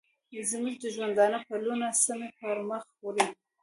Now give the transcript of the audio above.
ژوندي د ژوندانه پلونه سمی پرمخ وړي